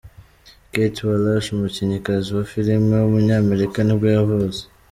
Kate Walsh, umukinnyikazi wa filime w’umunyamerika nibwo yavutse.